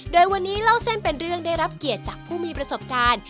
โดยวันนี้เล่าเส้นเป็นเรื่องได้รับเกียรติจากผู้มีประสบการณ์